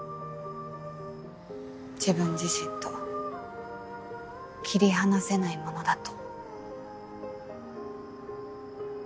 自分自身と切り離せないものだと。